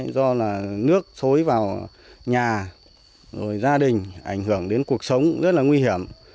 do là nước xối vào nhà rồi gia đình ảnh hưởng đến cuộc sống rất là nguy hiểm